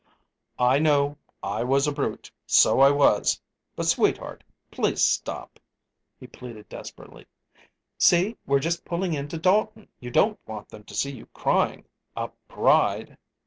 "I know. I was a brute so I was! But, sweetheart, please stop," he pleaded desperately. "See, we're just pulling into Dalton. You don't want them to see you crying a bride!"